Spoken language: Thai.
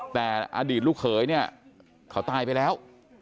แต่อดีตลูกเขยเนี่ยเขาตายไปแล้ว